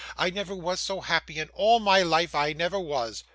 I never was so happy; in all my life I never was!